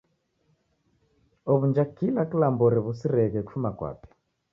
Ow'unja kila kilambo orew'usireghe kufuma kwape.